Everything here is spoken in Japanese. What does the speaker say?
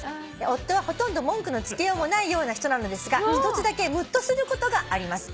「夫はほとんど文句の付けようもないような人なのですが一つだけムッとすることがあります」